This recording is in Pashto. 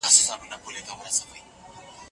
خلیفه به د خلګو په منځ کي استازیتوب کوي.